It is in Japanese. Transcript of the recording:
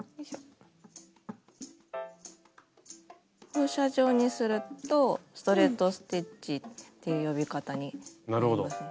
放射状にするとストレート・ステッチっていう呼び方になりますね。